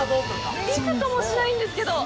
びくともしないんですけど。